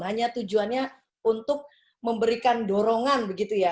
hanya tujuannya untuk memberikan dorongan begitu ya